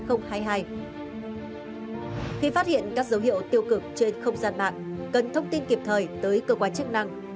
khi phát hiện các dấu hiệu tiêu cực trên không gian mạng cần thông tin kịp thời tới cơ quan chức năng